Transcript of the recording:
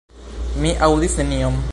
Mi aŭdis nenion.